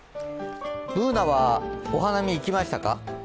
Ｂｏｏｎａはお花見行きましたか？